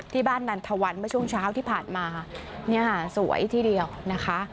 บ้านนันทวันเมื่อช่วงเช้าที่ผ่านมาเนี่ยค่ะสวยทีเดียวนะคะ